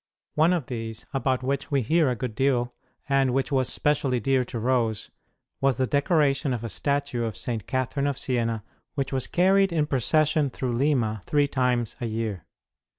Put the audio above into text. One of these, about which we hear a good deal, and which was specially dear to Rose, was the decoration of a statue of St. Catherine of Siena, 110 ST. ROSE OF LIMA which was carried in procession through Lima three times a year.